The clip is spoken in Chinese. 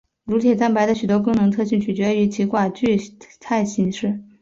乳铁蛋白的许多功能特性取决于其寡聚态形式。